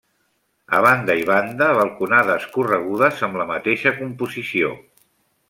A banda i banda balconades corregudes amb la mateixa composició.